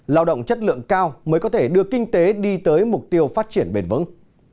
lao động chất lượng cao mới có thể đưa kinh tế đi tới mục tiêu phát triển bền vững